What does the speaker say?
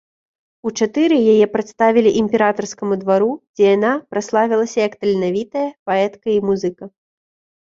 У чатыры яе прадставілі імператарскаму двару, дзе яна праславілася як таленавітая паэтка і музыка.